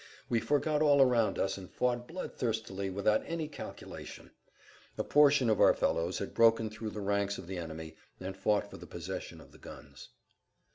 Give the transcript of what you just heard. We forgot all around us and fought bloodthirstily without any [Pg 94]calculation. A portion of our fellows had broken through the ranks of the enemy, and fought for the possession of the guns.